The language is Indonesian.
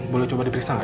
boleh coba diperiksa gak